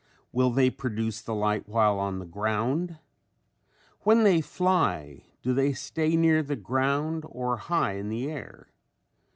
Will they produce the light while on the ground? When they fly do they stay near the ground or high in the air?